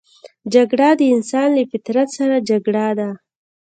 جګړه د انسان له فطرت سره جګړه ده